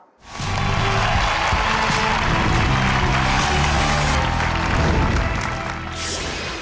ขอบคุณครับ